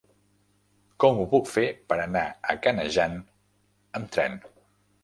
Com ho puc fer per anar a Canejan amb tren?